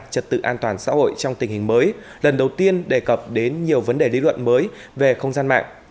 trật tự an toàn xã hội trong tình hình mới lần đầu tiên đề cập đến nhiều vấn đề lý luận mới về không gian mạng